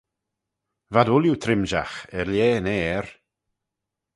V'ad ooilley trimshagh - er lheh yn ayr.